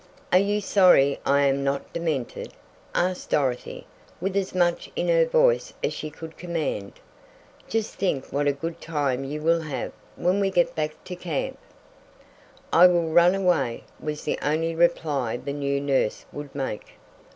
"Are you sorry I am not demented?" asked Dorothy, with as much in her voice as she could command. "Just think what a good time you will have, when we get back to camp." "I will run away," was the only reply the new nurse would make.